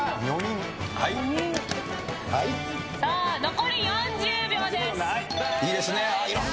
残り４０秒です。